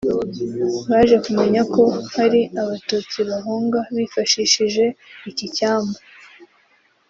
Baje kumenya ko hari Abatutsi bahunga bifashishije iki cyambu